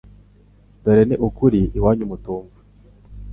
Dore ni ukuri iwanyu mutumva